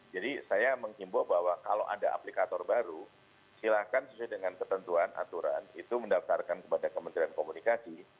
jadi saya mengimbo bahwa kalau ada aplikator baru silahkan sesuai dengan ketentuan aturan itu mendaftarkan kepada kementerian komunikasi